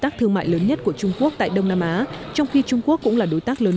tác thương mại lớn nhất của trung quốc tại đông nam á trong khi trung quốc cũng là đối tác lớn